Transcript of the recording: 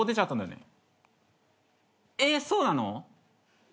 えっそうなの！？